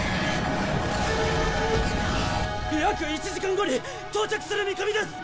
約１時間後に到着する見込みです！